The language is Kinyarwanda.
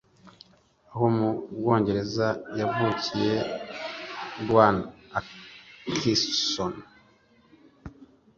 Aho mu Bwongereza Yavukiye Rowan Atkinson